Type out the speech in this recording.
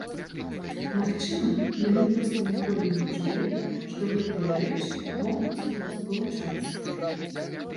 Магчыма, яны проста ніколі не чулі, што гэтыя рэчы могуць спалучацца.